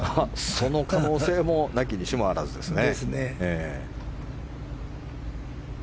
その可能性もなきにしもあらずですね。